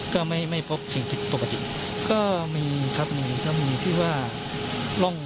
ก็ไม่ไม่พบสิ่งผิดปกติก็มีครับมีก็มีที่ว่าร่อง